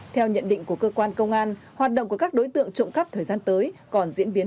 theo nhận định của cơ quan công an hoạt động của các đối tượng trộm cắp thời gian tới còn diễn biến